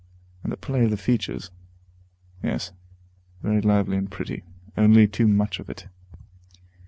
And the play of the features, yes, very lively and pretty, only too much of it.